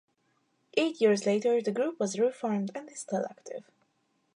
Eight years later the group was reformed and is still active.